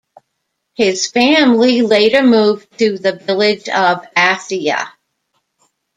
His family later moved to the village of Athea.